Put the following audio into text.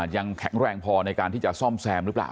ยังแข็งแรงพอในการที่จะซ่อมแซมหรือเปล่า